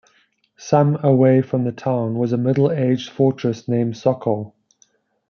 Some away from the town was a middle age fortress named Sokol.